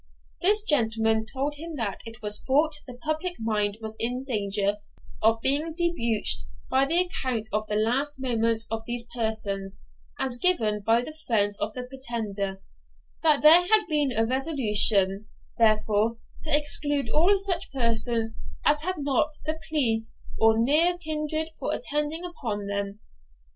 This gentleman told him that it was thought the public mind was in danger of being debauched by the account of the last moments of these persons, as given by the friends of the Pretender; that there had been a resolution, therefore, to exclude all such persons as had not the plea of near kindred for attending upon them.